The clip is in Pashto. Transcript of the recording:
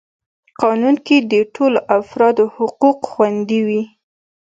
قانون کي د ټولو افرادو حقوق خوندي وي.